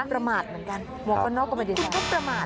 ประมาทเหมือนกันหมวกกันน็อกก็ไม่ได้ประมาท